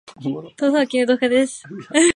豆腐は絹豆腐派です